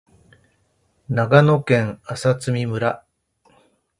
長野県麻績村